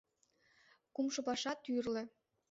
Кумшо паша — тӱрлӧ.